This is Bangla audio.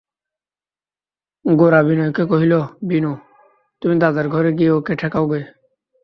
গোরা বিনয়কে কহিল, বিনু, তুমি দাদার ঘরে গিয়ে ওঁকে ঠেকাও গে।